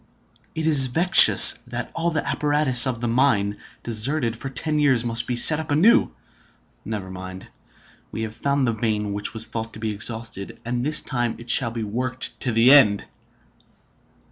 It is vexatious that all the apparatus of the mine, deserted for ten years, must be set up anew. Never mind. We have found the vein which was thought to be exhausted, and this time it shall be worked to the end!"